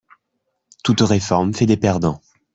Toute réforme fait des perdants